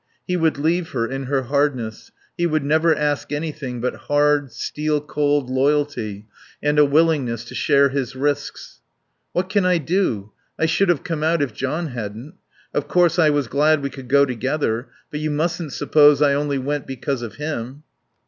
He would leave her in her hardness; he would never ask anything but hard, steel cold loyalty and a willingness to share his risks. "What else can I do? I should have come out if John hadn't. Of course I was glad we could go together, but you mustn't suppose I only went because of him."